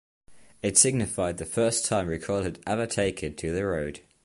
It signified the first time Recoil had ever taken to the road.